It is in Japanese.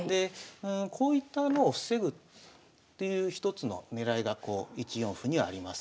こういったのを防ぐっていう一つの狙いが１四歩にはあります。